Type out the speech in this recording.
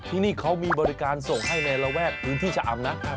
ที่นี่เขามีบริการส่งให้ในระแวกพื้นที่ชะอำนะ